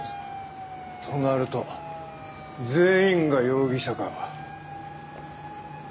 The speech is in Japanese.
となると全員が容疑者か。